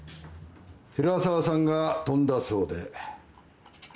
平沢さんが飛んだそうで。